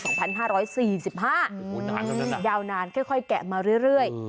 อืมยาวนานค่อยแกะมาเรื่อย